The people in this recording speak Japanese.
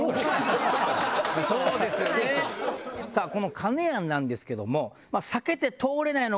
金やんなんですけども。